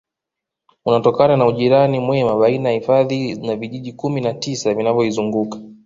Unatokana na ujirani mwema baina ya hifadhi na vijiji kumi na tisa vinavyoizunguka